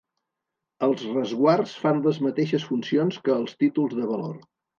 Els resguards fan les mateixes funcions que els títols de valor.